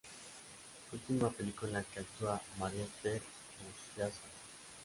Última película en la que actúa Maria Esther Buschiazzo.